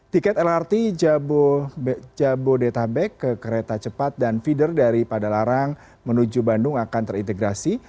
tiket lrt jabodetabek ke kereta cepat dan feeder dari padalarang menuju bandung akan terintegrasi